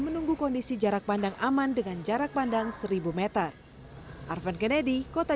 menunggu kondisi jarak pandang aman dengan jarak pandang seribu meter